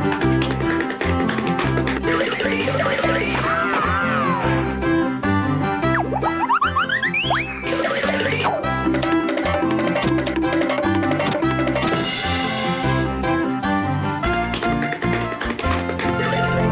โอ๊ยตายตามไปแล้วสวัสดีค่ะ